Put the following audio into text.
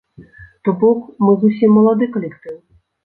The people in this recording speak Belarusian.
То бок, мы зусім малады калектыў.